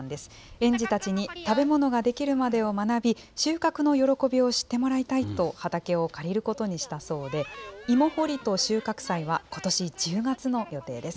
園児たちに、食べ物が出来るまでを学び、収穫の喜びを知ってもらいたいと、畑を借りることにしたそうで、芋掘りと収穫祭はことし１０月の予定です。